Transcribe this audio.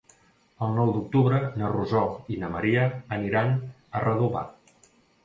El nou d'octubre na Rosó i na Maria aniran a Redovà.